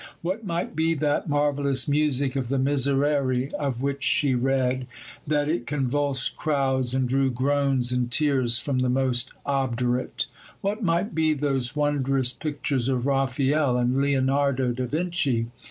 What might be that marvellous music of the Miserere, of which she read, that it convulsed crowds and drew groans and tears from the most obdurate? What might be those wondrous pictures of Raphael and Leonardo da Vinci?